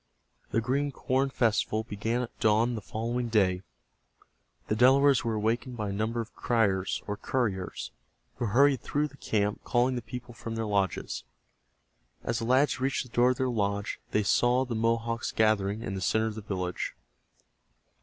The Green Corn Festival began at dawn the following day. The Delawares were awakened by a number of criers, or couriers, who hurried through the camp calling the people from their lodges. As the lads reached the door of their lodge they saw the Mohawks gathering in the center of the village.